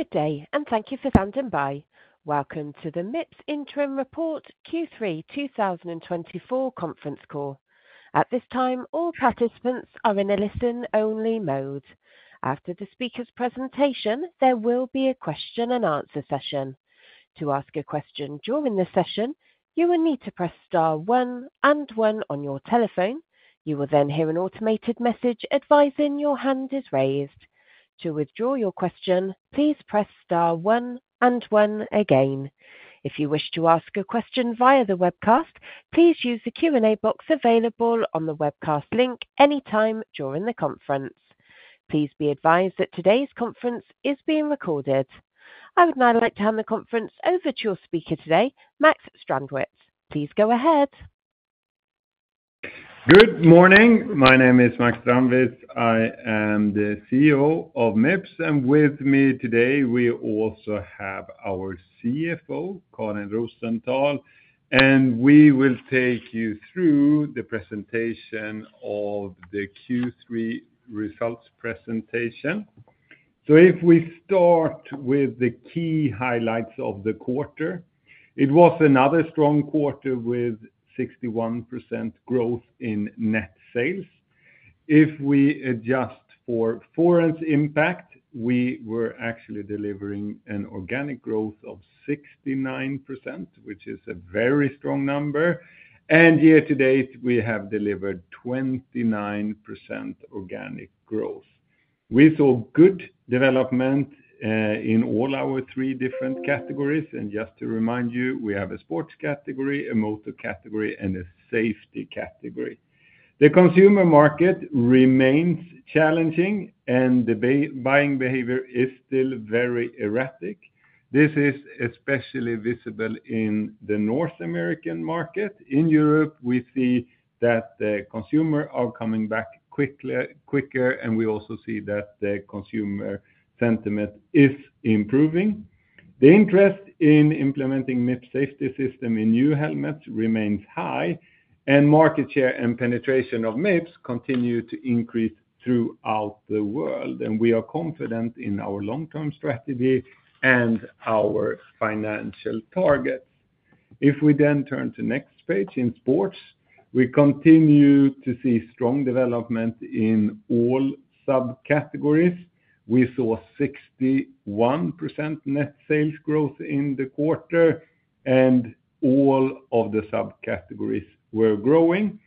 Good day, and thank you for standing by. Welcome to the Mips Interim Report Q3 2024 conference call. At this time, all participants are in a listen-only mode. After the speaker's presentation, there will be a question and answer session. To ask a question during the session, you will need to press star one and one on your telephone. You will then hear an automated message advising your hand is raised. To withdraw your question, please press star one and one again. If you wish to ask a question via the webcast, please use the Q&A box available on the webcast link anytime during the conference. Please be advised that today's conference is being recorded. I would now like to hand the conference over to your speaker today, Max Strandwitz. Please go ahead. Good morning. My name is Max Strandwitz. I am the CEO of Mips, and with me today, we also have our CFO, Karin Rosenthal, and we will take you through the presentation of the Q3 results presentation. So if we start with the key highlights of the quarter, it was another strong quarter with 61% growth in net sales. If we adjust for foreign impact, we were actually delivering an organic growth of 69%, which is a very strong number, and year to date, we have delivered 29% organic growth. We saw good development in all our three different categories, and just to remind you, we have a sports category, a motor category, and a safety category. The consumer market remains challenging and the buying behavior is still very erratic. This is especially visible in the North American market. In Europe, we see that the consumer are coming back quickly, quicker, and we also see that the consumer sentiment is improving. The interest in implementing Mips safety system in new helmets remains high, and market share and penetration of Mips continue to increase throughout the world, and we are confident in our long-term strategy and our financial targets. If we then turn to next page, in sports, we continue to see strong development in all subcategories. We saw 61% net sales growth in the quarter, and all of the subcategories were growing.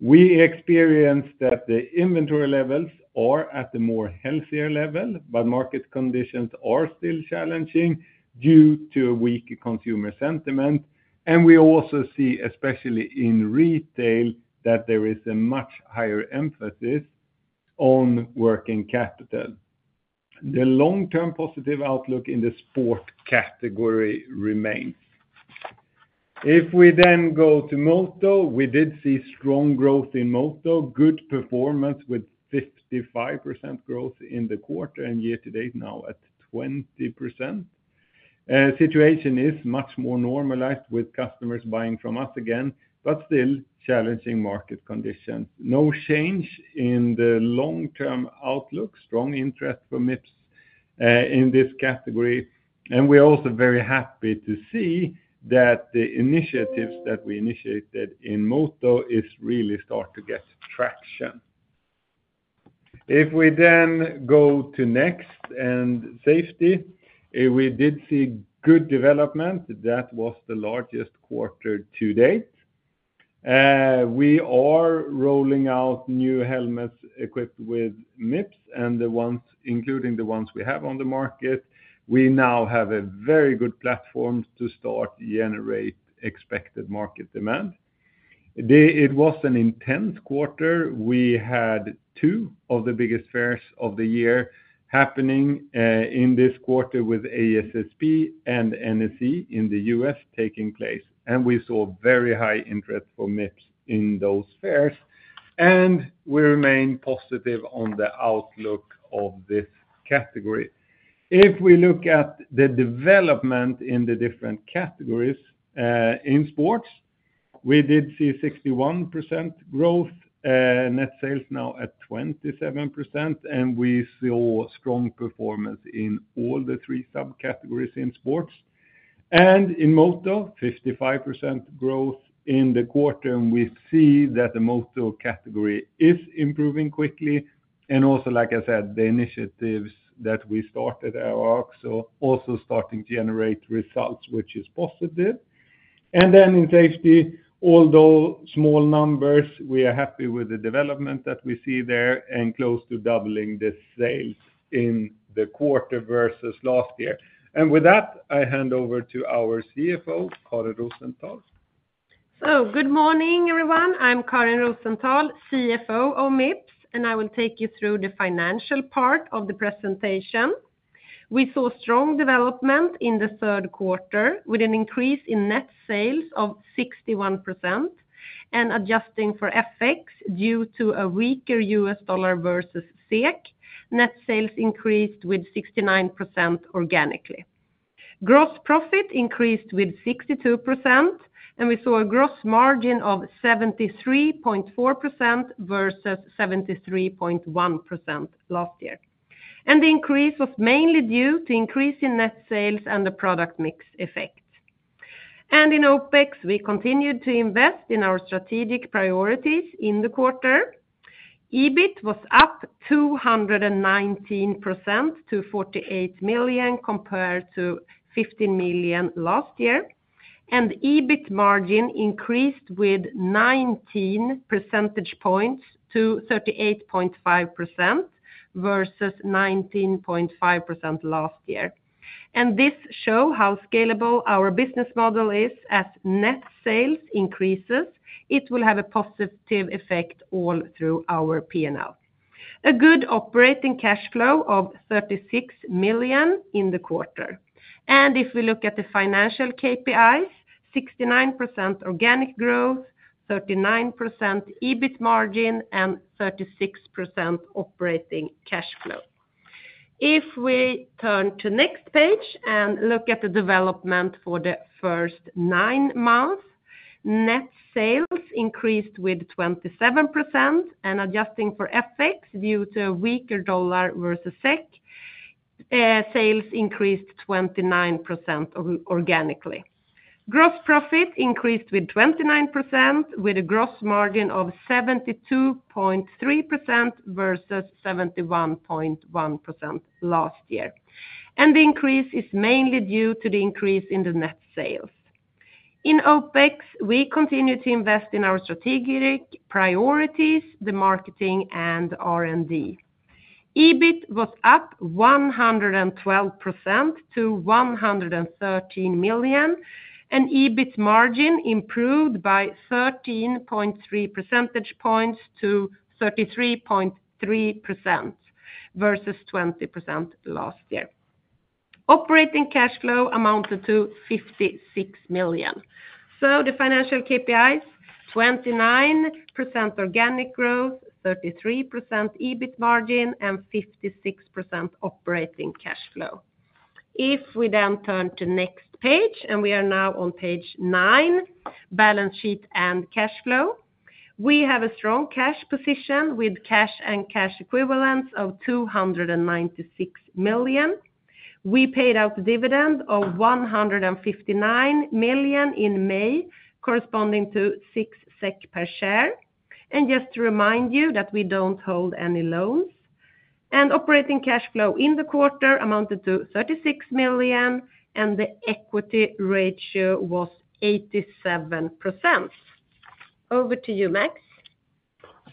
We experienced that the inventory levels are at a more healthier level, but market conditions are still challenging due to a weak consumer sentiment, and we also see, especially in retail, that there is a much higher emphasis on working capital. The long-term positive outlook in the sport category remains. If we then go to Moto, we did see strong growth in Moto. Good performance with 55% growth in the quarter, and year to date, now at 20%. Situation is much more normalized with customers buying from us again, but still challenging market conditions. No change in the long-term outlook. Strong interest for Mips in this category, and we're also very happy to see that the initiatives that we initiated in Moto is really start to get traction. If we then go to industrial and safety, we did see good development. That was the largest quarter to date. We are rolling out new helmets equipped with Mips, and the ones, including the ones we have on the market. We now have a very good platform to start generate expected market demand. It was an intense quarter. We had two of the biggest fairs of the year happening in this quarter with ASSP and NSC in the U.S. taking place, and we saw very high interest for Mips in those fairs, and we remain positive on the outlook of this category. If we look at the development in the different categories in sports, we did see 61% growth, net sales now at 27%, and we saw strong performance in all the three subcategories in sports, and in Moto, 55% growth in the quarter, and we see that the Moto category is improving quickly, and also, like I said, the initiatives that we started are also starting to generate results, which is positive. Then in safety, although small numbers, we are happy with the development that we see there and close to doubling the sales in the quarter versus last year. With that, I hand over to our CFO, Karin Rosenthal. Good morning, everyone. I'm Karin Rosenthal, CFO of Mips, and I will take you through the financial part of the presentation. We saw strong development in the third quarter, with an increase in net sales of 61% and adjusting for FX due to a weaker US dollar versus SEK. Net sales increased with 69% organically. Gross profit increased with 62%, and we saw a gross margin of 73.4% versus 73.1% last year. And the increase was mainly due to increase in net sales and the product mix effect. And in OpEx, we continued to invest in our strategic priorities in the quarter. EBITDA was up 219% to 48 million, compared to 15 million last year, and EBITDA margin increased with nineteen percentage points to 38.5% versus 19.5% last year. And this shows how scalable our business model is. As net sales increase, it will have a positive effect all through our P&L. A good operating cash flow of 36 million in the quarter. And if we look at the financial KPIs, 69% organic growth, 39% EBITDA margin, and 36% operating cash flow. If we turn to next page and look at the development for the first nine months, net sales increased with 27%, and adjusting for FX due to weaker dollar versus SEK, sales increased 29% organically. Gross profit increased with 29%, with a gross margin of 72.3% versus 71.1% last year. And the increase is mainly due to the increase in the net sales. In OpEx, we continue to invest in our strategic priorities, the marketing and R&D. EBITDA was up 112% to 113 million, and EBITDA margin improved by 13.3 percentage points to 33.3% versus 20% last year. Operating cash flow amounted to 56 million. The financial KPIs, 29% organic growth, 33% EBITDA margin, and 56% operating cash flow. If we then turn to next page, and we are now on page nine, balance sheet and cash flow. We have a strong cash position with cash and cash equivalents of 296 million. We paid out dividend of 159 million in May, corresponding to 6 SEK per share. Just to remind you that we don't hold any loans. Operating cash flow in the quarter amounted to 36 million, and the equity ratio was 87%. Over to you, Max.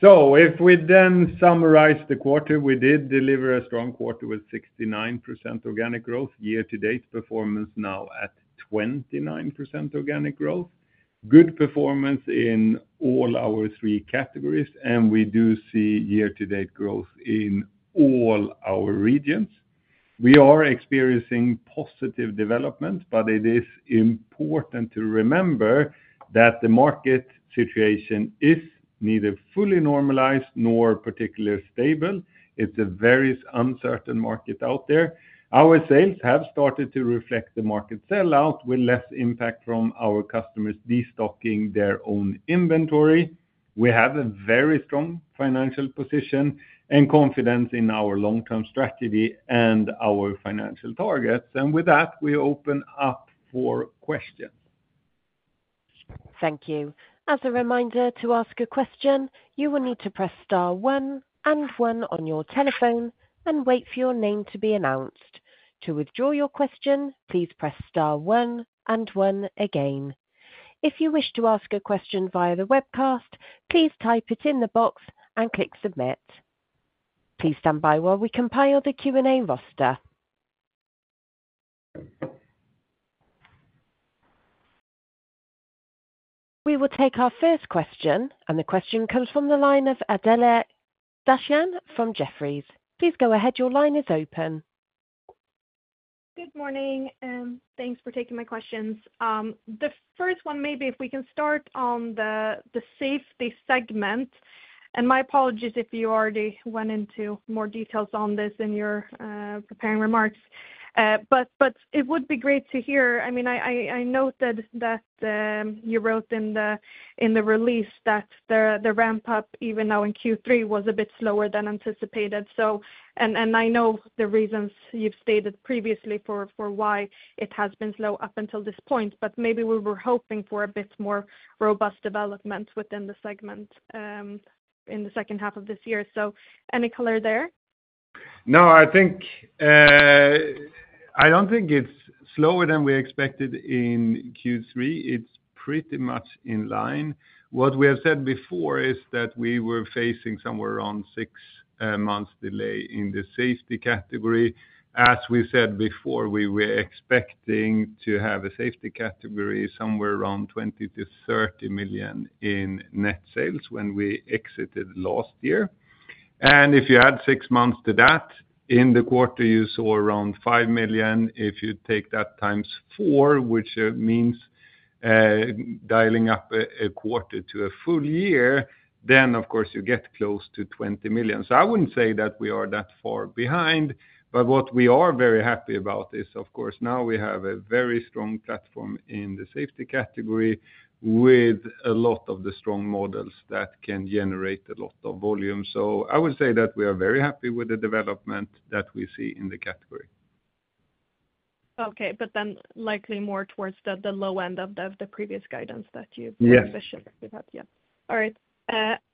If we then summarize the quarter, we did deliver a strong quarter with 69% organic growth. Year-to-date performance now at 29% organic growth. Good performance in all our three categories, and we do see year-to-date growth in all our regions. We are experiencing positive development, but it is important to remember that the market situation is neither fully normalized nor particularly stable. It's a very uncertain market out there. Our sales have started to reflect the market sell-through with less impact from our customers destocking their own inventory. We have a very strong financial position and confidence in our long-term strategy and our financial targets, and with that, we open up for questions. Thank you. As a reminder, to ask a question, you will need to press star one and one on your telephone and wait for your name to be announced. To withdraw your question, please press star one and one again. If you wish to ask a question via the webcast, please type it in the box and click submit. Please stand by while we compile the Q&A roster. We will take our first question, and the question comes from the line of Adela Dashian from Jefferies. Please go ahead. Your line is open. Good morning, and thanks for taking my questions. The first one, maybe if we can start on the safety segment, and my apologies if you already went into more details on this in your prepared remarks. But it would be great to hear. I mean, I noted that you wrote in the release that the ramp up, even now in Q3, was a bit slower than anticipated. So, I know the reasons you've stated previously for why it has been slow up until this point, but maybe we were hoping for a bit more robust development within the segment in the second half of this year. So any color there? No, I think, I don't think it's slower than we expected in Q3. It's pretty much in line. What we have said before is that we were facing somewhere around six months delay in the safety category. As we said before, we were expecting to have a safety category somewhere around 20 million-30 million in net sales when we exited last year. And if you add six months to that, in the quarter, you saw around $5 million. If you take that times four, which means dialing up a quarter to a full year, then, of course, you get close to 20 million. So I wouldn't say that we are that far behind, but what we are very happy about is, of course, now we have a very strong platform in the safety category, with a lot of the strong models that can generate a lot of volume. So I would say that we are very happy with the development that we see in the category. Okay, but then likely more towards the low end of the previous guidance that you- Yes. Shared with us. Yeah. All right.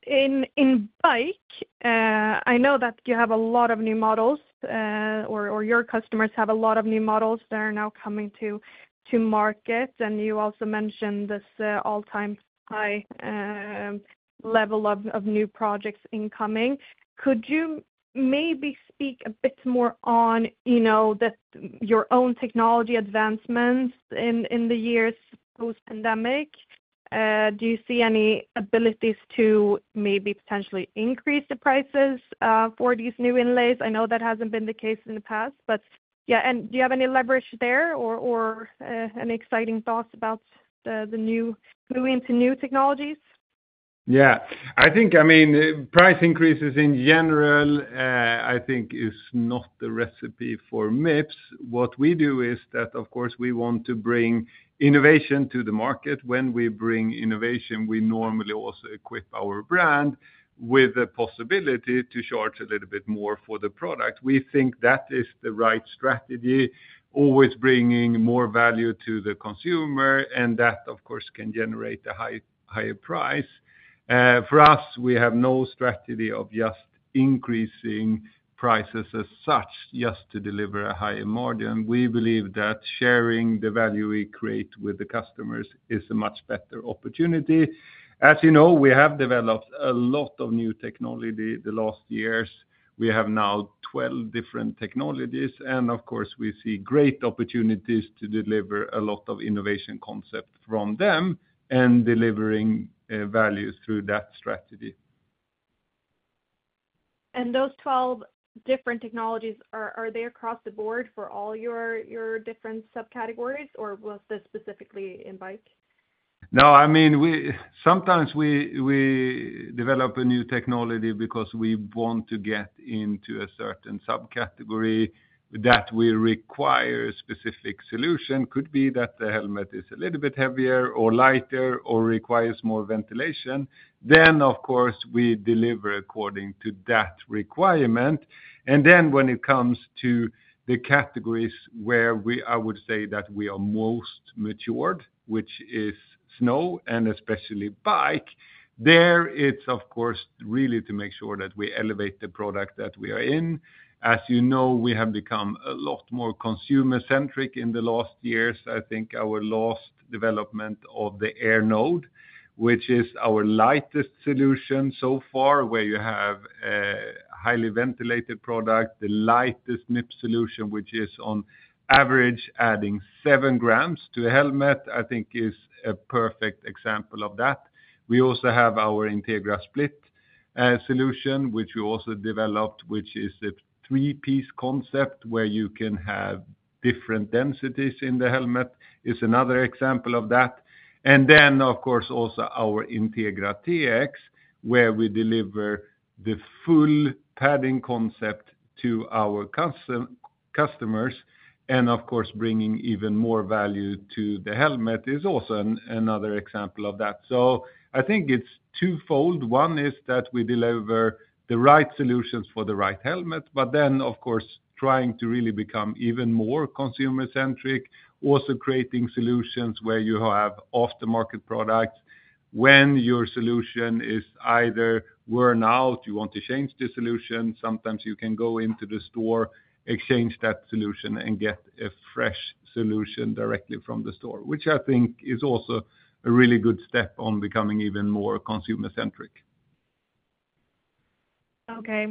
In bike, I know that you have a lot of new models, or your customers have a lot of new models that are now coming to market, and you also mentioned this all-time high level of new projects incoming. Could you maybe speak a bit more on, you know, your own technology advancements in the years post-pandemic? Do you see any abilities to maybe potentially increase the prices for these new inlays? I know that hasn't been the case in the past, but, yeah, and do you have any leverage there, or any exciting thoughts about the moving to new technologies? Yeah. I think, I mean, price increases in general, I think, is not the recipe for Mips. What we do is that, of course, we want to bring innovation to the market. When we bring innovation, we normally also equip our brand with the possibility to charge a little bit more for the product. We think that is the right strategy, always bringing more value to the consumer, and that, of course, can generate a higher price. For us, we have no strategy of just increasing prices as such, just to deliver a higher margin. We believe that sharing the value we create with the customers is a much better opportunity. As you know, we have developed a lot of new technology the last years. We have now 12 different technologies, and of course, we see great opportunities to deliver a lot of innovation concept from them and delivering values through that strategy. And those 12 different technologies, are they across the board for all your different subcategories, or was this specifically in bike? No, I mean, sometimes we develop a new technology because we want to get into a certain subcategory that will require a specific solution. Could be that the helmet is a little bit heavier or lighter or requires more ventilation. Then, of course, we deliver according to that requirement. And then when it comes to the categories where I would say that we are most matured, which is snow and especially bike, there it's, of course, really to make sure that we elevate the product that we are in. As you know, we have become a lot more consumer-centric in the last years. I think our last development of the Air Node, which is our lightest solution so far, where you have a highly ventilated product, the lightest Mips solution, which is on average adding seven grams to a helmet, I think is a perfect example of that. We also have our Integra Split solution, which we also developed, which is a three-piece concept where you can have different densities in the helmet, is another example of that. And then, of course, also our Integra TX, where we deliver the full padding concept to our customers, and of course, bringing even more value to the helmet, is also another example of that. So I think it's twofold. One is that we deliver the right solutions for the right helmet, but then, of course, trying to really become even more consumer-centric, also creating solutions where you have after-market products. When your solution is either worn out, you want to change the solution, sometimes you can go into the store, exchange that solution, and get a fresh solution directly from the store, which I think is also a really good step on becoming even more consumer-centric. Okay.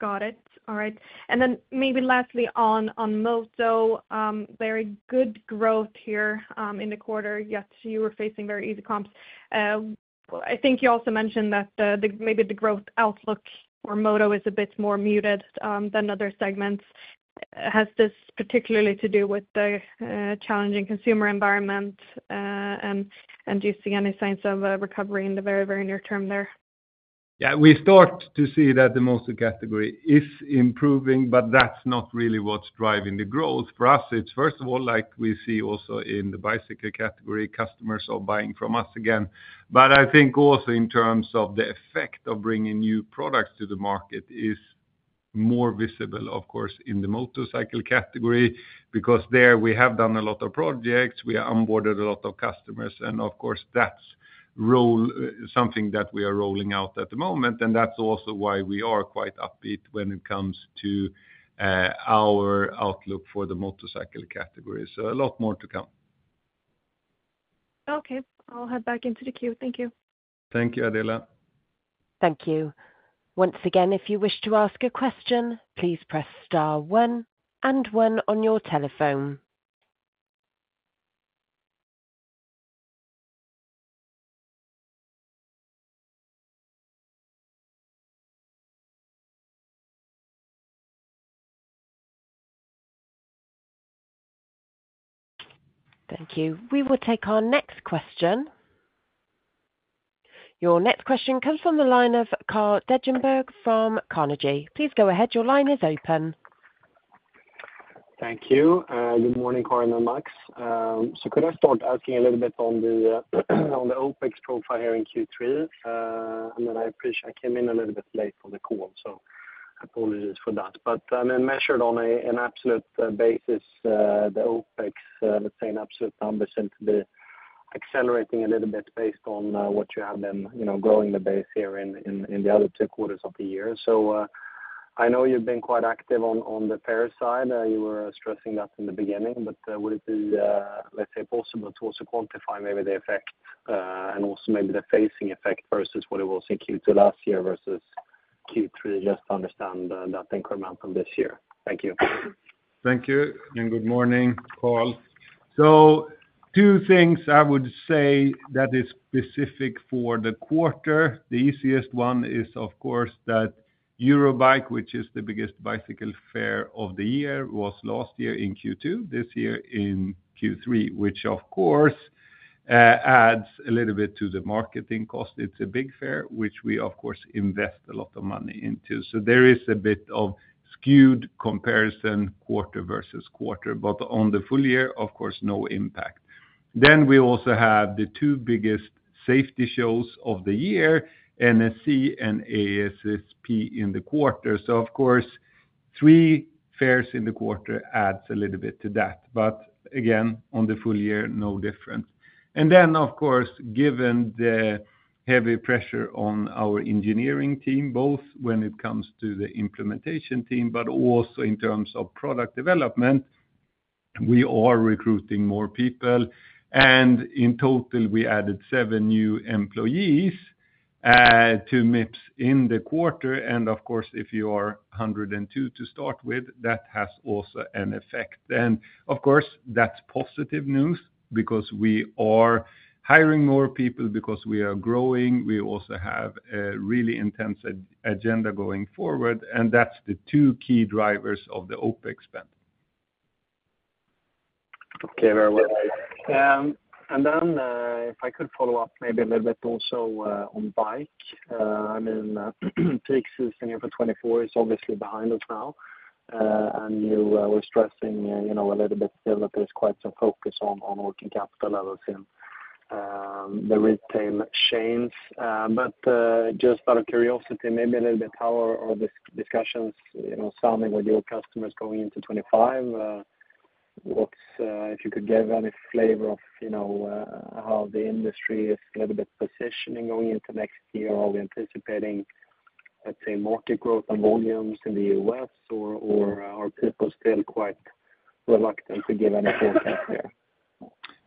Got it. All right. And then maybe lastly on Moto, very good growth here in the quarter, yet you were facing very easy comps. I think you also mentioned that maybe the growth outlook for Moto is a bit more muted than other segments. Has this particularly to do with the challenging consumer environment, and do you see any signs of a recovery in the very, very near term there? Yeah, we start to see that the Moto category is improving, but that's not really what's driving the growth. For us, it's first of all, like we see also in the bicycle category, customers are buying from us again. But I think also in terms of the effect of bringing new products to the market is more visible, of course, in the motorcycle category, because there we have done a lot of projects, we have onboarded a lot of customers, and of course, that's something that we are rolling out at the moment, and that's also why we are quite upbeat when it comes to our outlook for the motorcycle category. So a lot more to come. Okay. I'll head back into the queue. Thank you. Thank you, Adela. Thank you. Once again, if you wish to ask a question, please press star one and one on your telephone. Thank you. We will take our next question. Your next question comes from the line of Carl Deijenberg from Carnegie. Please go ahead. Your line is open. Thank you. Good morning, Karin and Max. So could I start asking a little bit on the OpEx profile here in Q3? And then I appreciate I came in a little bit late on the call, so apologies for that. But I mean, measured on an absolute basis, the OpEx, let's say, in absolute numbers, since the accelerating a little bit based on what you have been, you know, growing the base here in the other two quarters of the year. So I know you've been quite active on the fair side. You were stressing that in the beginning, but, would it be, let's say possible to also quantify maybe the effect, and also maybe the phasing effect versus what it was in Q2 last year versus Q3, just to understand, that increment from this year? Thank you. Thank you, and good morning, Carl. So two things I would say that is specific for the quarter. The easiest one is, of course, that Eurobike, which is the biggest bicycle fair of the year, was last year in Q2, this year in Q3, which, of course, adds a little bit to the marketing cost. It's a big fair, which we, of course, invest a lot of money into. So there is a bit of skewed comparison quarter versus quarter, but on the full year, of course, no impact. Then we also have the two biggest safety shows of the year, NSC and ASSP, in the quarter. So of course, three fairs in the quarter adds a little bit to that. But again, on the full year, no different. And then, of course, given the heavy pressure on our engineering team, both when it comes to the implementation team, but also in terms of product development, we are recruiting more people, and in total, we added seven new employees to Mips in the quarter. And of course, if you are 102 to start with, that has also an effect. Then, of course, that's positive news because we are hiring more people because we are growing. We also have a really intense agenda going forward, and that's the two key drivers of the OpEx spend. Okay. Very well. Then, if I could follow up maybe a little bit also on bike. I mean, peak season for 2024 is obviously behind us now. And you were stressing, you know, a little bit still that there's quite some focus on working capital levels in the retail chains. But just out of curiosity, maybe a little bit, how are discussions, you know, sounding with your customers going into 2025? What's, if you could give any flavor of, you know, how the industry is a little bit positioning going into next year? Are we anticipating, let's say, market growth and volumes in the U.S., or are people still quite reluctant to give any forecast there?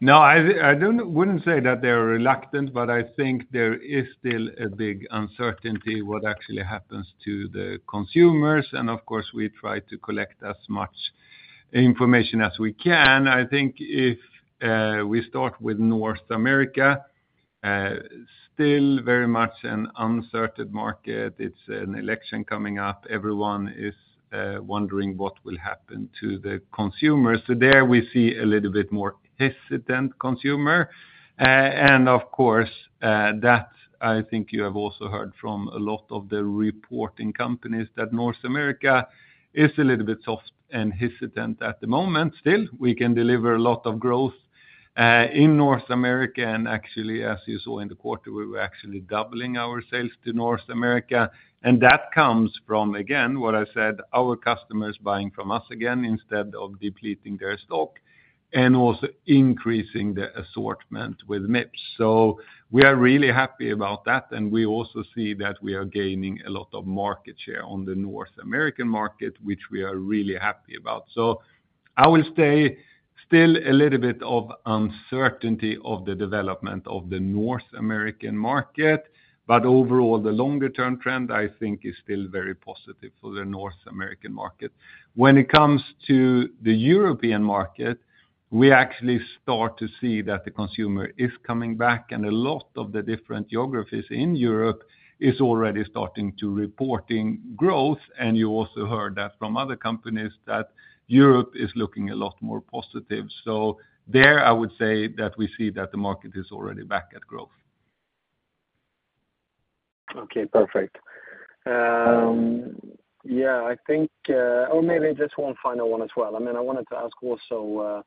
No, I wouldn't say that they're reluctant, but I think there is still a big uncertainty what actually happens to the consumers, and of course, we try to collect as much information as we can. I think if we start with North America, still very much an uncertain market. It's an election coming up. Everyone is wondering what will happen to the consumers, so there we see a little bit more hesitant consumer, and of course, that I think you have also heard from a lot of the reporting companies, that North America is a little bit soft and hesitant at the moment. Still, we can deliver a lot of growth in North America, and actually, as you saw in the quarter, we were actually doubling our sales to North America. That comes from, again, what I said, our customers buying from us again instead of depleting their stock, and also increasing the assortment with Mips. So we are really happy about that, and we also see that we are gaining a lot of market share on the North American market, which we are really happy about. So I will say still a little bit of uncertainty of the development of the North American market, but overall, the longer-term trend, I think, is still very positive for the North American market. When it comes to the European market, we actually start to see that the consumer is coming back, and a lot of the different geographies in Europe is already starting to reporting growth. You also heard that from other companies, that Europe is looking a lot more positive. So there, I would say that we see that the market is already back at growth. Okay, perfect. Yeah, I think or maybe just one final one as well. I mean, I wanted to ask also,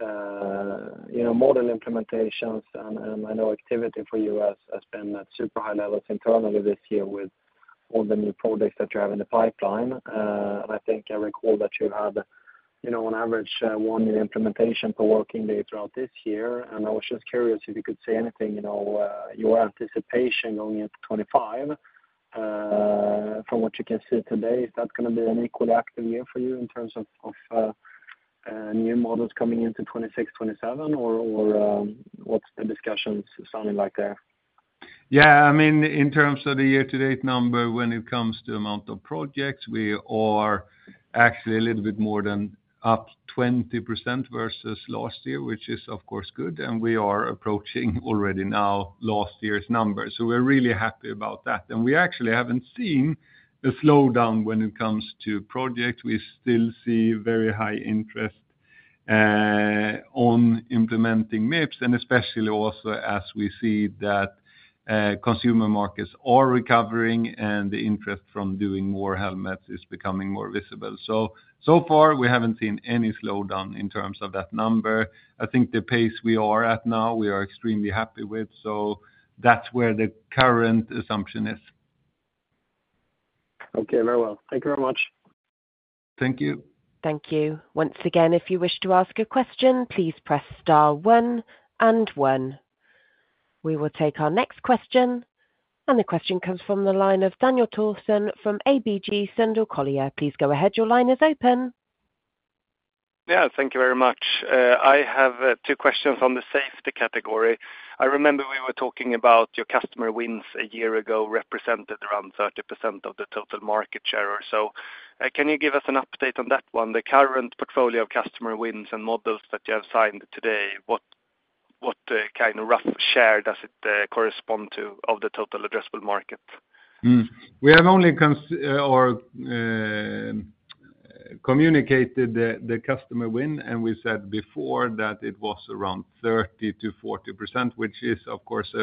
you know, model implementations, and I know activity for you has been at super high levels internally this year with all the new products that you have in the pipeline. And I think I recall that you had, you know, on average, one new implementation per working day throughout this year. And I was just curious if you could say anything, you know, your anticipation going into 2025, from what you can see today, is that gonna be an equally active year for you in terms of new models coming into 2026, 2027? Or what's the discussions sounding like there? Yeah, I mean, in terms of the year-to-date number, when it comes to amount of projects, we are actually a little bit more than up 20% versus last year, which is of course good, and we are approaching already now last year's numbers, so we're really happy about that, and we actually haven't seen a slowdown when it comes to projects. We still see very high interest on implementing Mips, and especially also as we see that consumer markets are recovering and the interest from doing more helmets is becoming more visible, so so far, we haven't seen any slowdown in terms of that number. I think the pace we are at now, we are extremely happy with, so that's where the current assumption is. Okay. Very well. Thank you very much. Thank you. Thank you. Once again, if you wish to ask a question, please press star one and one. We will take our next question, and the question comes from the line of Daniel Thorsson from ABG Sundal Collier. Please go ahead. Your line is open. Yeah, thank you very much. I have two questions on the safety category. I remember we were talking about your customer wins a year ago, represented around 30% of the total market share or so. Can you give us an update on that one? The current portfolio of customer wins and models that you have signed today, what kind of rough share does it correspond to of the total addressable market? We have only communicated the customer win, and we said before that it was around 30%-40%, which is, of course,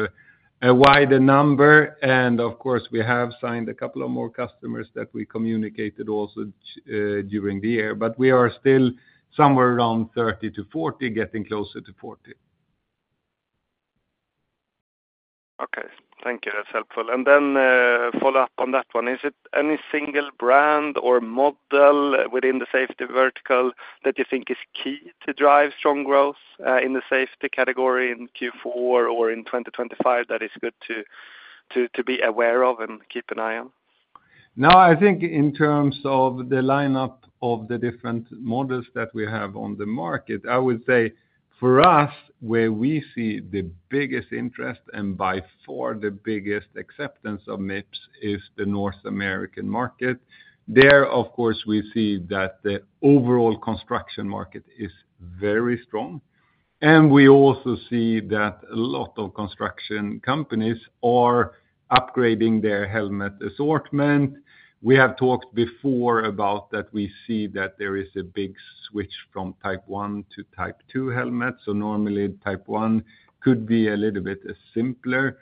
a wider number, and of course, we have signed a couple of more customers that we communicated also during the year. But we are still somewhere around 30%-40%, getting closer to 40%. Okay. Thank you. That's helpful. And then, follow up on that one, is it any single brand or model within the safety vertical that you think is key to drive strong growth, in the safety category in Q4 or in twenty twenty-five, that is good to be aware of and keep an eye on? No, I think in terms of the lineup of the different models that we have on the market, I would say for us, where we see the biggest interest and by far the biggest acceptance of Mips is the North American market. There, of course, we see that the overall construction market is very strong, and we also see that a lot of construction companies are upgrading their helmet assortment. We have talked before about that we see that there is a big switch from Type I to Type II helmets. So normally, Type I could be a little bit a simpler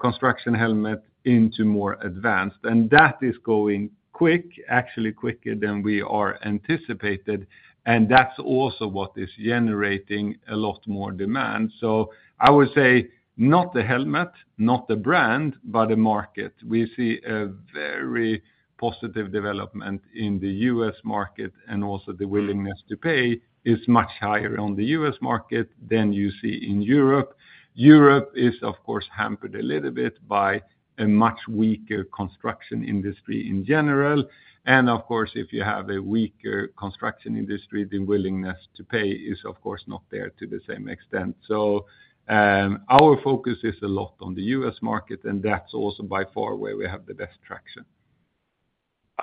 construction helmet into more advanced, and that is going quick, actually quicker than we are anticipated, and that's also what is generating a lot more demand. So I would say, not the helmet, not the brand, but the market. We see a very positive development in the U.S. market, and also the willingness to pay is much higher on the U.S. market than you see in Europe. Europe is, of course, hampered a little bit by a much weaker construction industry in general, and of course, if you have a weaker construction industry, the willingness to pay is, of course, not there to the same extent, so our focus is a lot on the U.S. market, and that's also by far where we have the best traction.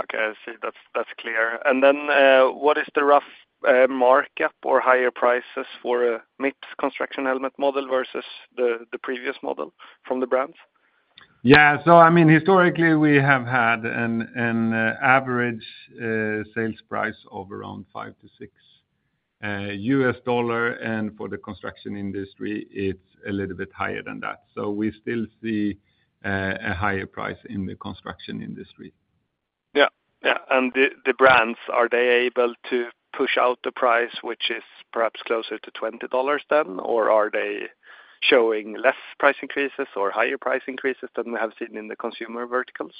Okay, I see. That's clear. And then, what is the rough markup or higher prices for a Mips construction helmet model versus the previous model from the brands? Yeah. So I mean, historically, we have had an average sales price of around $5-$6, and for the construction industry, it's a little bit higher than that, so we still see a higher price in the construction industry. Yeah, yeah, and the brands are they able to push out the price, which is perhaps closer to twenty dollars than? Or are they showing less price increases or higher price increases than we have seen in the consumer verticals?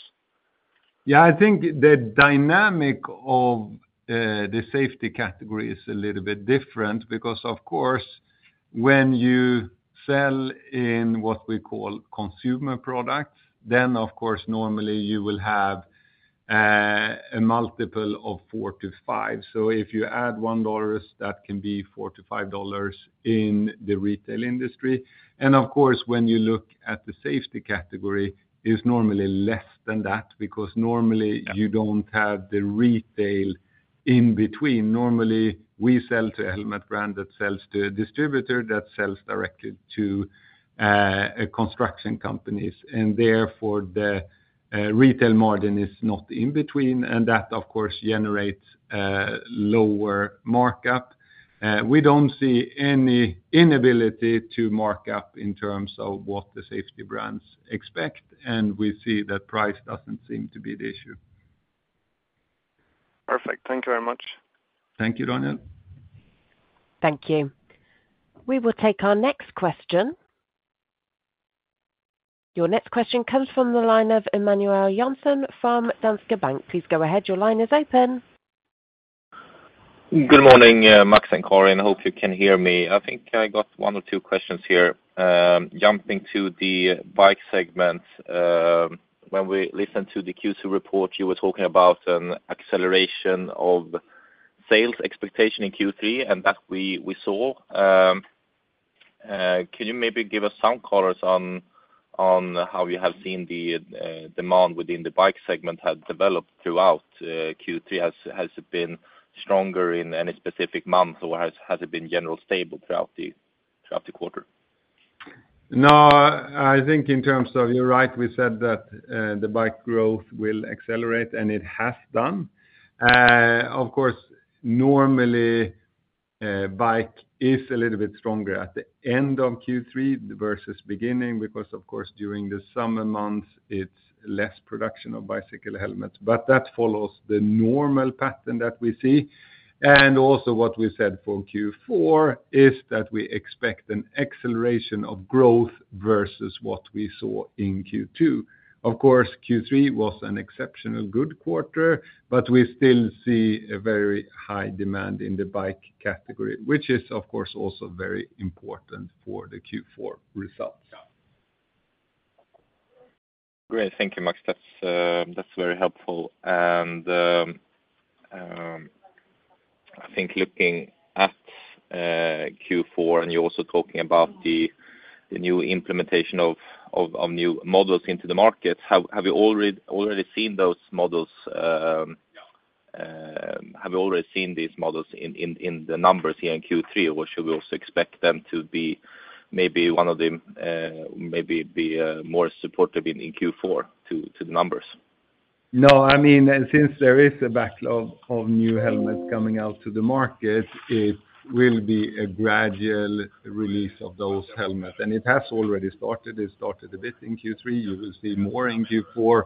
Yeah, I think the dynamic of the safety category is a little bit different because, of course, when you sell in what we call consumer products, then of course, normally you will have a multiple of four to five. So if you add $1, that can be $4-$5 in the retail industry. And of course, when you look at the safety category, it's normally less than that, because normally- Yeah... you don't have the retail in between. Normally, we sell to a helmet brand that sells to a distributor, that sells directly to construction companies, and therefore the retail margin is not in between, and that, of course, generates a lower markup. We don't see any inability to mark up in terms of what the safety brands expect, and we see that price doesn't seem to be the issue. Perfect. Thank you very much. Thank you, Daniel. Thank you. We will take our next question. Your next question comes from the line of Emanuel Jansson from Danske Bank. Please go ahead, your line is open. Good morning, Max and Karin, and hope you can hear me. I think I got one or two questions here. Jumping to the bike segment, when we listened to the Q2 report, you were talking about an acceleration of sales expectation in Q3, and that we saw. Can you maybe give us some color on how you have seen the demand within the bike segment have developed throughout Q3? Has it been stronger in any specific month, or has it been generally stable throughout the quarter? No, I think in terms of—you're right, we said that, the bike growth will accelerate, and it has done. Of course, normally, bike is a little bit stronger at the end of Q3 versus beginning, because, of course, during the summer months, it's less production of bicycle helmets. But that follows the normal pattern that we see. And also what we said for Q4 is that we expect an acceleration of growth versus what we saw in Q2. Of course, Q3 was an exceptional good quarter, but we still see a very high demand in the bike category, which is, of course, also very important for the Q4 results. Great. Thank you, Max. That's very helpful. And, I think looking at Q4, and you're also talking about the new implementation of new models into the market, have you already seen those models? Yeah. Have you already seen these models in the numbers here in Q3? Or should we also expect them to be maybe one of the more supportive in Q4 to the numbers? No, I mean, and since there is a backlog of new helmets coming out to the market, it will be a gradual release of those helmets, and it has already started. It started a bit in Q3. You will see more in Q4,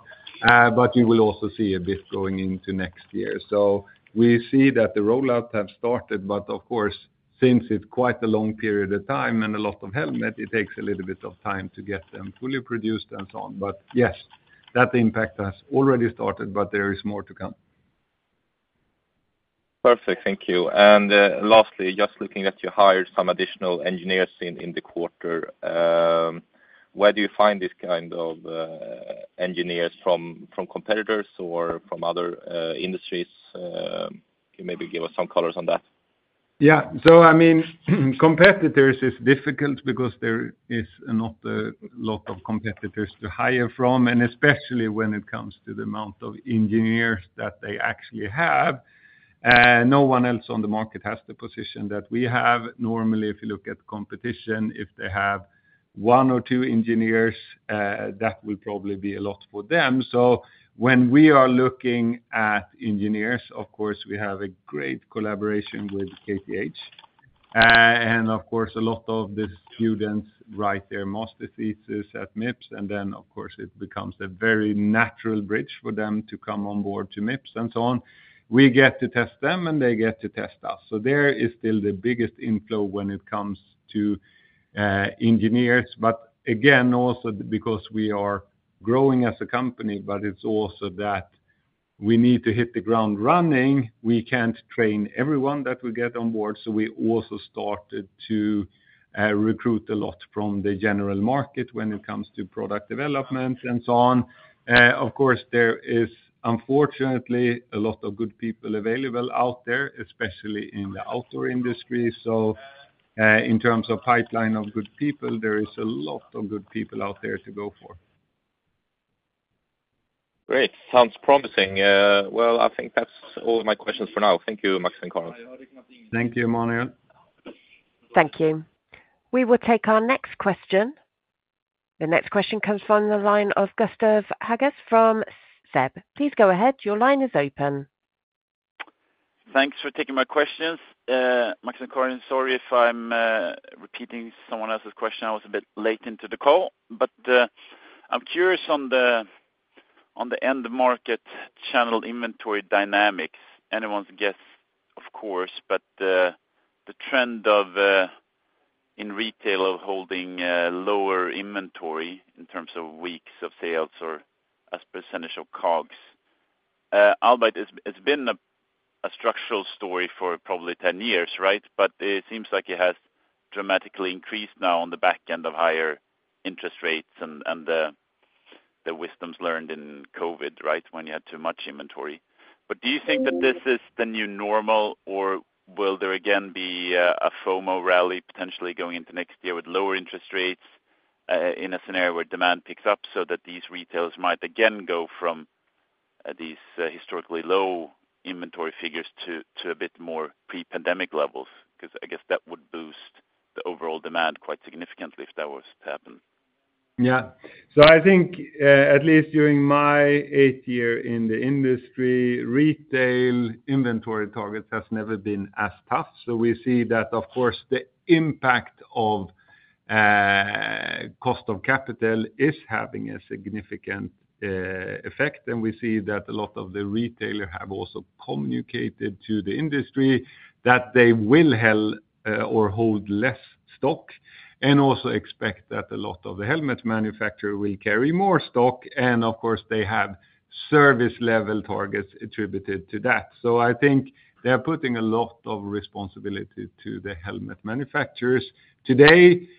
but you will also see a bit going into next year. So we see that the rollout has started, but of course, since it's quite a long period of time and a lot of helmet, it takes a little bit of time to get them fully produced and so on. But yes, that impact has already started, but there is more to come. Perfect. Thank you. And, lastly, just looking at you hired some additional engineers in the quarter, where do you find this kind of engineers from, from competitors or from other industries? Can you maybe give us some color on that? Yeah. So I mean, competitors is difficult because there is not a lot of competitors to hire from, and especially when it comes to the amount of engineers that they actually have, no one else on the market has the position that we have. Normally, if you look at competition, if they have one or two engineers, that will probably be a lot for them. So when we are looking at engineers, of course, we have a great collaboration with KTH, and of course, a lot of the students write their master's thesis at Mips, and then, of course, it becomes a very natural bridge for them to come on board to Mips and so on. We get to test them, and they get to test us. So there is still the biggest inflow when it comes to engineers, but again, also because we are growing as a company, but it's also that we need to hit the ground running. We can't train everyone that we get on board, so we also started to recruit a lot from the general market when it comes to product development and so on. Of course, there is unfortunately a lot of good people available out there, especially in the outdoor industry. So, in terms of pipeline of good people, there is a lot of good people out there to go for. Great. Sounds promising. Well, I think that's all my questions for now. Thank you, Max and Karin. Thank you, Emanuel. Thank you. We will take our next question. The next question comes from the line of Gustav Hagéus from SEB. Please go ahead. Your line is open. Thanks for taking my questions. Max and Karin, sorry if I'm repeating someone else's question. I was a bit late into the call. But I'm curious on the end market channel inventory dynamics. Anyone's guess, of course, but the trend in retail of holding lower inventory in terms of weeks of sales or as percentage of COGS. Albeit it's been a structural story for probably 10 years, right? But it seems like it has dramatically increased now on the back end of higher interest rates and the wisdoms learned in COVID, right, when you had too much inventory. But do you think that this is the new normal, or will there again be a FOMO rally potentially going into next year with lower interest rates, in a scenario where demand picks up so that these retailers might again go from these historically low inventory figures to a bit more pre-pandemic levels? Because I guess that would boost the overall demand quite significantly if that was to happen. Yeah. So I think, at least during my eighth year in the industry, retail inventory targets has never been as tough. So we see that, of course, the impact of, cost of capital is having a significant, effect, and we see that a lot of the retailers have also communicated to the industry that they will hold less stock, and also expect that a lot of the helmet manufacturer will carry more stock, and of course, they have service-level targets attributed to that. So I think they are putting a lot of responsibility to the helmet manufacturers. Today, cost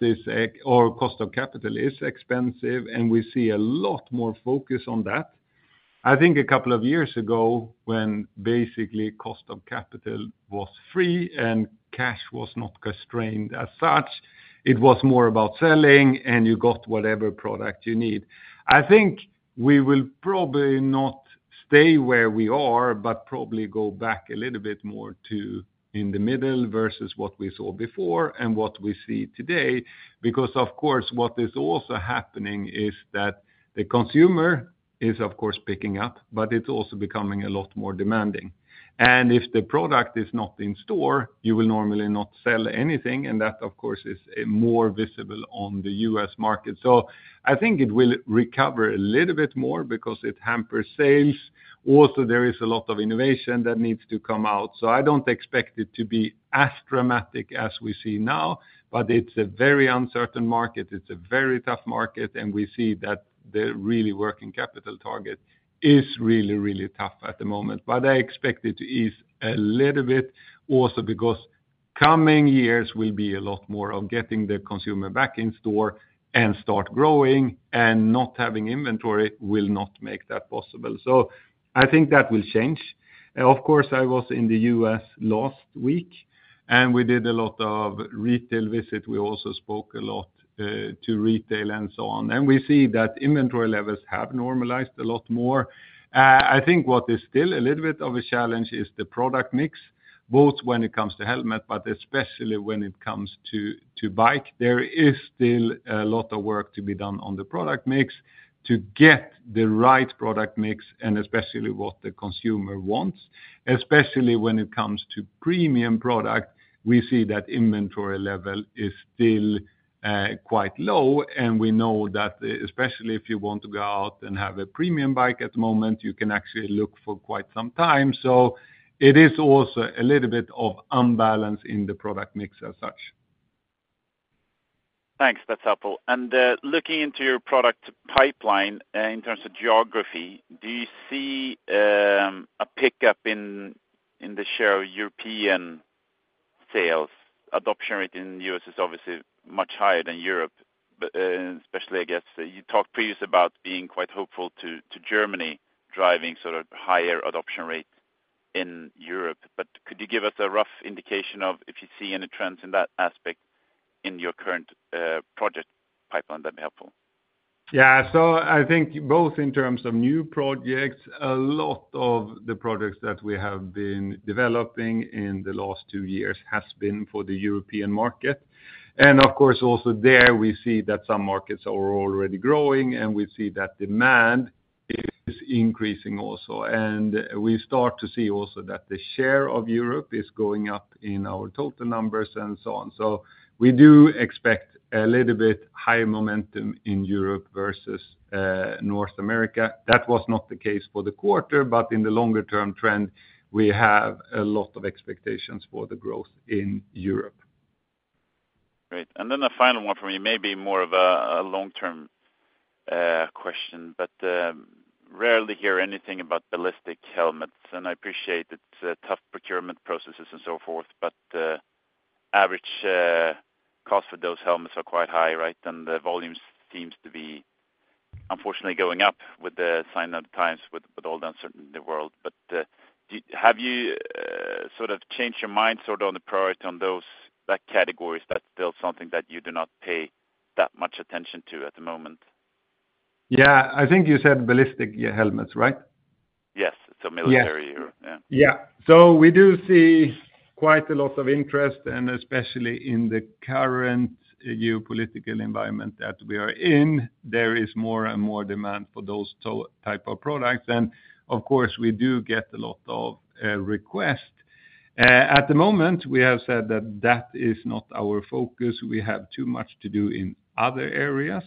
is, or cost of capital is expensive, and we see a lot more focus on that. I think a couple of years ago, when basically cost of capital was free and cash was not constrained as such, it was more about selling, and you got whatever product you need. I think we will probably not stay where we are, but probably go back a little bit more to in the middle versus what we saw before and what we see today. Because, of course, what is also happening is that the consumer is, of course, picking up, but it's also becoming a lot more demanding, and if the product is not in store, you will normally not sell anything, and that, of course, is more visible on the U.S. market, so I think it will recover a little bit more because it hampers sales. Also, there is a lot of innovation that needs to come out, so I don't expect it to be as dramatic as we see now, but it's a very uncertain market, it's a very tough market, and we see that the really working capital target is really, really tough at the moment. But I expect it to ease a little bit also because coming years will be a lot more of getting the consumer back in store and start growing, and not having inventory will not make that possible. So I think that will change. Of course, I was in the U.S. last week, and we did a lot of retail visit. We also spoke a lot to retail and so on, and we see that inventory levels have normalized a lot more. I think what is still a little bit of a challenge is the product mix, both when it comes to helmet, but especially when it comes to bike. There is still a lot of work to be done on the product mix to get the right product mix and especially what the consumer wants. Especially when it comes to premium product, we see that inventory level is still quite low, and we know that, especially if you want to go out and have a premium bike at the moment, you can actually look for quite some time. So it is also a little bit of imbalance in the product mix as such. Thanks. That's helpful. And, looking into your product pipeline, in terms of geography, do you see a pickup in the share of European sales? Adoption rate in the U.S. is obviously much higher than Europe, but, especially, I guess you talked previously about being quite hopeful to Germany driving sort of higher adoption rate in Europe. But could you give us a rough indication of if you see any trends in that aspect in your current product pipeline? That'd be helpful. Yeah. So I think both in terms of new projects, a lot of the projects that we have been developing in the last two years has been for the European market. And of course, also there, we see that some markets are already growing, and we see that demand is increasing also. And we start to see also that the share of Europe is going up in our total numbers and so on. So we do expect a little bit higher momentum in Europe versus North America. That was not the case for the quarter, but in the longer term trend, we have a lot of expectations for the growth in Europe. Great. And then the final one for me, maybe more of a, a long-term question, but, rarely hear anything about ballistic helmets, and I appreciate it's a tough procurement processes and so forth, but, the average, cost for those helmets are quite high, right? And the volumes seems to be, unfortunately, going up with the sign of the times, with all the uncertainty in the world. But, do- have you, sort of changed your mind sort of on the priority on those, that categories, or that's still something that you do not pay that much attention to at the moment? Yeah, I think you said ballistic helmets, right? Yes, so military. Yes. Yeah. Yeah. So we do see quite a lot of interest, and especially in the current geopolitical environment that we are in, there is more and more demand for those type of products. And of course, we do get a lot of requests. At the moment, we have said that that is not our focus. We have too much to do in other areas.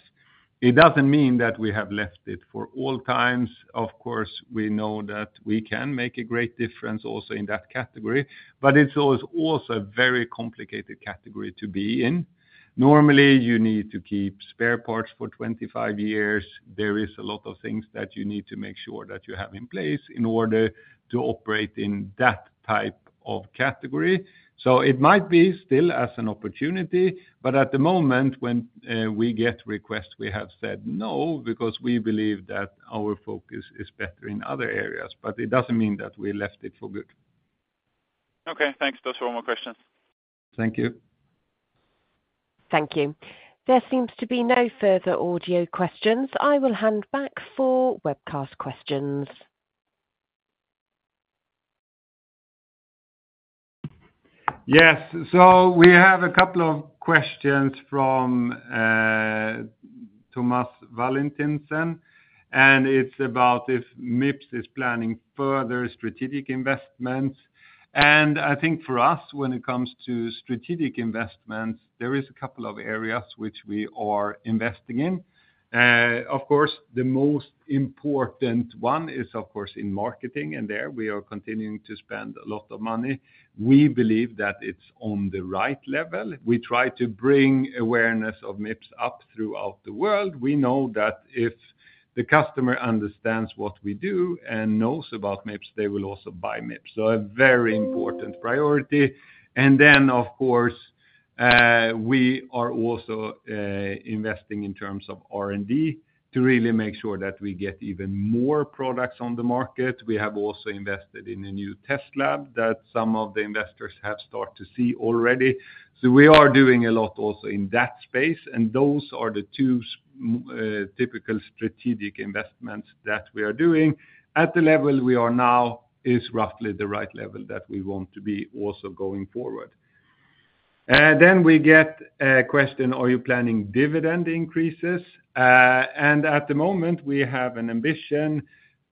It doesn't mean that we have left it for all times. Of course, we know that we can make a great difference also in that category, but it's also a very complicated category to be in. Normally, you need to keep spare parts for twenty-five years. There is a lot of things that you need to make sure that you have in place in order to operate in that type of category. So it might be still as an opportunity, but at the moment, when we get requests, we have said no, because we believe that our focus is better in other areas. But it doesn't mean that we left it for good. Okay, thanks. Those were all my questions. Thank you. Thank you. There seems to be no further audio questions. I will hand back for webcast questions. Yes, so we have a couple of questions from Thomas Valentinsen, and it's about if Mips is planning further strategic investments. And I think for us, when it comes to strategic investments, there is a couple of areas which we are investing in. Of course, the most important one is, of course, in marketing, and there we are continuing to spend a lot of money. We believe that it's on the right level. We try to bring awareness of Mips up throughout the world. We know that if the customer understands what we do and knows about Mips, they will also buy Mips. So a very important priority. And then, of course, we are also investing in terms of R&D to really make sure that we get even more products on the market. We have also invested in a new test lab that some of the investors have started to see already, so we are doing a lot also in that space, and those are the two typical strategic investments that we are doing. At the level we are now is roughly the right level that we want to be also going forward, then we get a question: Are you planning dividend increases? And at the moment, we have an ambition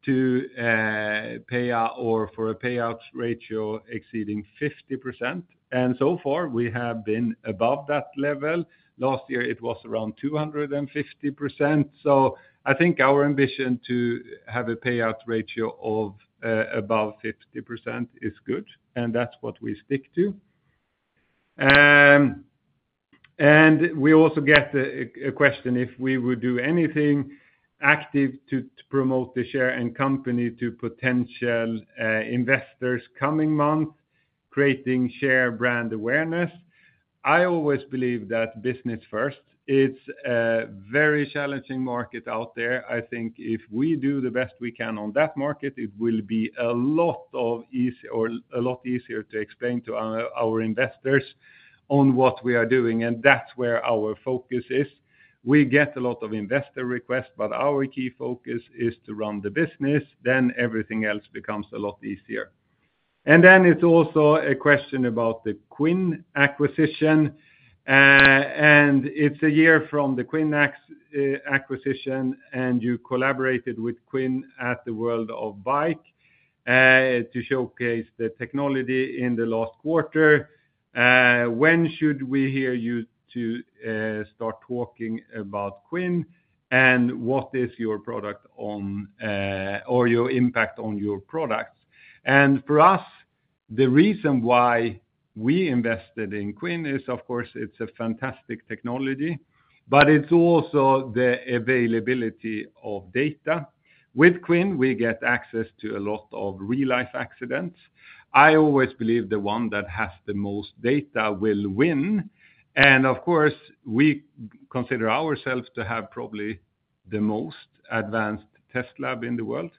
to pay out or for a payout ratio exceeding 50%, and so far, we have been above that level. Last year, it was around 250%, so I think our ambition to have a payout ratio of above 50% is good, and that's what we stick to. And we also get a question if we would do anything active to promote the share and company to potential investors coming months, creating share brand awareness. I always believe that business first, it's a very challenging market out there. I think if we do the best we can on that market, it will be a lot easier to explain to our investors on what we are doing, and that's where our focus is. We get a lot of investor requests, but our key focus is to run the business, then everything else becomes a lot easier. And then it's also a question about the Quin acquisition, and it's a year from the Quin acquisition, and you collaborated with Quin at the World of Bike to showcase the technology in the last quarter. When should we hear you to start talking about Quin, and what is your product on, or your impact on your products? And for us, the reason why we invested in Quin is, of course, it's a fantastic technology, but it's also the availability of data. With Quin, we get access to a lot of real-life accidents. I always believe the one that has the most data will win, and of course, we consider ourselves to have probably the most advanced test lab in the world.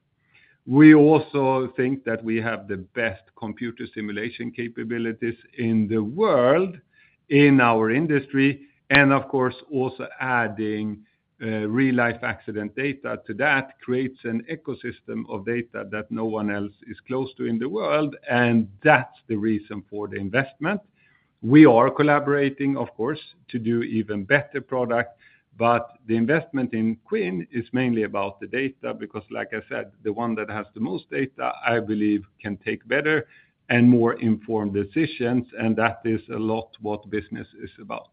We also think that we have the best computer simulation capabilities in the world, in our industry, and of course, also adding real-life accident data to that creates an ecosystem of data that no one else is close to in the world, and that's the reason for the investment. We are collaborating, of course, to do even better product, but the investment in Quin is mainly about the data, because, like I said, the one that has the most data, I believe, can take better and more informed decisions, and that is a lot what business is about,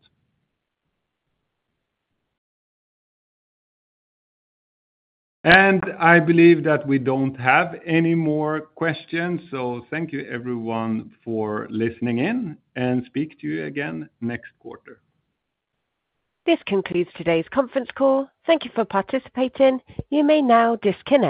and I believe that we don't have any more questions, so thank you everyone for listening in, and speak to you again next quarter. This concludes today's conference call. Thank you for participating. You may now disconnect.